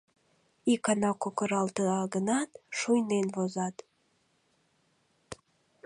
Икана кокыралта гынат, шуйнен возат.